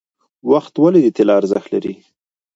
وخت ولې د طلا ارزښت لري؟